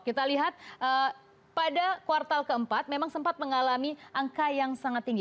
kita lihat pada kuartal keempat memang sempat mengalami angka yang sangat tinggi